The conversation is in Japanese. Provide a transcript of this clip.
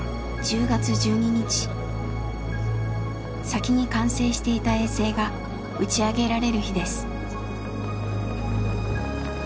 先に完成していた衛星が打ち上げられる日です。